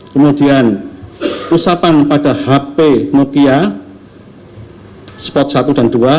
kemudian usapan pada hp nokia spot satu dan dua